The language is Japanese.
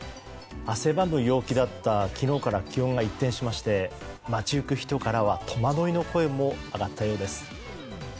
汗ばむ陽気だった昨日から気温が一転しまして街行く人からは戸惑いの声も上がったようです。